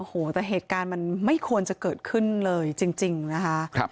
โอ้โหแต่เหตุการณ์มันไม่ควรจะเกิดขึ้นเลยจริงนะคะ